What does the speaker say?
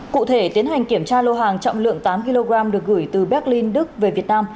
cụ thể tiến hành kiểm tra lô hàng trọng lượng tám kg được gửi từ berlin đức về việt nam